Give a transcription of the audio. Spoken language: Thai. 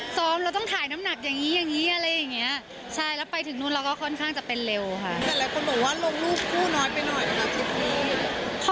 ซ้อมเราต้องถ่ายน้ำหนักอย่างนี้แล้วไปถึงแล้วก็ค่อนข้างจะเป็นเร็วค่ะ